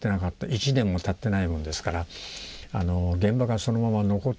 １年もたってないもんですから現場がそのまま残ってまして。